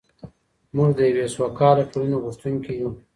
موږ د یوې سوکاله ټولنې غوښتونکي یو.